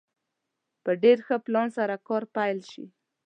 په ډېر ښه پلان سره کار پيل شي.